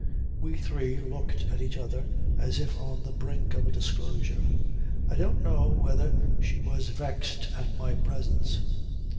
We three looked at each other as if on the brink of a disclosure. I don't know whether she was vexed at my presence.